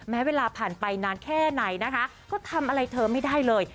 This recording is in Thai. เวลาผ่านไปนานแค่ไหนนะคะก็ทำอะไรเธอไม่ได้เลย